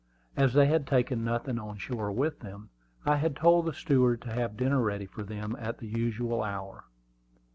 As they had taken nothing on shore with them, I had told the steward to have dinner ready for them at the usual hour.